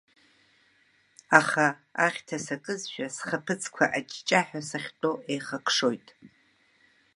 Аха, ахьҭа сакызшәа, схаԥыцқәа аҷҷаҳәа сахьтәоу еихакшоит.